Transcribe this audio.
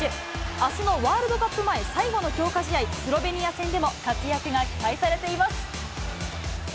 あすのワールドカップ前、最後の強化試合、スロベニア戦でも活躍が期待されています。